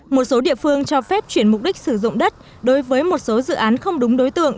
một số địa phương cho phép chuyển mục đích sử dụng đất đối với một số dự án không đúng đối tượng